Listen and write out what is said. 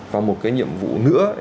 và một cái nhiệm vụ nữa